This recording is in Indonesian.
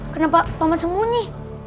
kenapa paman sembunyi